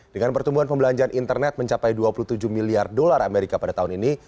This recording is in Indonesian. dengan pertumbuhan pembelanjaan internet mencapai dua puluh tujuh miliar dolar amerika pada tahun ini